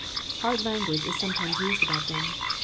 Hard language is sometimes used about them.